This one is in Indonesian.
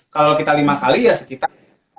kalau kita lima kali ya sekitar